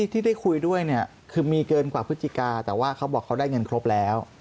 ที่ได้คุยด้วยเนี่ยคือมีเกินกว่าพฤศจิกาแต่ว่าเขาบอกเขาได้เงินครบแล้ว